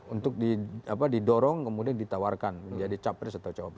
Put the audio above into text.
untuk didorong kemudian ditawarkan menjadi capres atau cawapres